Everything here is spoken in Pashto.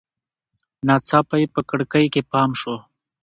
ناڅاپه یې په کړکۍ کې پام شو.